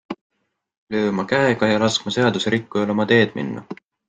Lööma käega ja laskma seaduserikkujal oma teed minna?